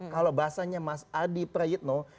kalau bahasanya mas adi prayitno